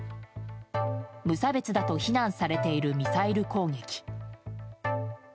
無差別だと非難されているミサイル攻撃。